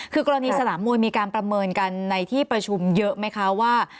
คือกรณีสนามมวยมีการประเมินกันในที่ประชุมเยอะไหมคะว่า